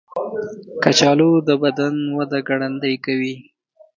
کچالو د بدن وده ګړندۍ کوي.